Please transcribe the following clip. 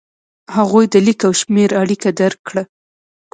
هغوی د لیک او شمېر اړیکه درک کړه.